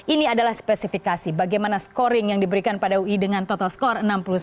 ini adalah spesifikasi bagaimana scoring yang diberikan pada ui dengan total skor enam puluh satu